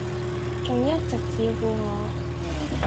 仲一直照顧我